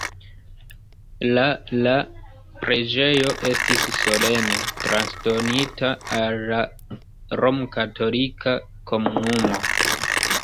La la preĝejo estis solene transdonita al la romkatolika komunumo.